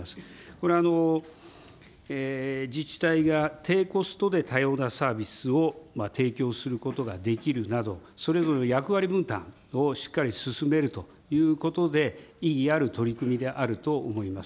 これ、自治体が低コストで多様なサービスを提供することができるなど、それぞれの役割分担をしっかり進めるということで、意義ある取り組みであると思います。